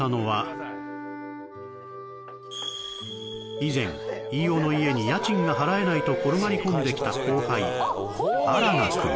以前飯尾の家に家賃が払えないと転がり込んできた後輩荒賀くん